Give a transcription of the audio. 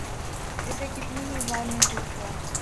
اسے کتنی ہی بار محسوس ہوا۔